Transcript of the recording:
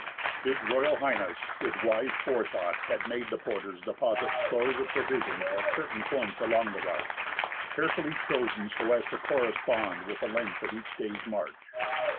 H.R.H., with wise forethought, had made the porters deposit stores of provisions at certain points along the route, carefully chosen so as to correspond with the length of each day's march.